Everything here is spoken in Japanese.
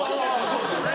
そうですよね。